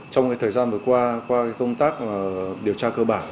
trong thời gian vừa qua qua công tác điều tra cơ bản